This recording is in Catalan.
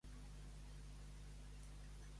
Quan el savi fa un «borró», no t'espantes per això.